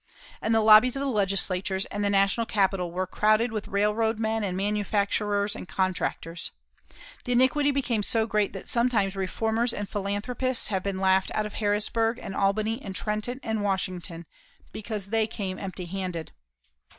And the lobbies of the Legislatures and the National Capitol were crowded with railroad men and manufacturers and contractors. The iniquity became so great that sometimes reformers and philanthropists have been laughed out of Harrisburg, and Albany, and Trenton, and Washington, because they came empty handed.